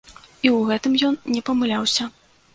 І ў гэтым ён не памыляўся.